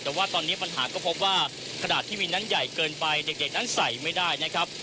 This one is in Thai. แต่ว่าตอนนี้ปัญหาก็พบว่าขนาดที่วินนั้นใหญ่เกินไปเด็กนั้นใส่ไม่ได้นะครับ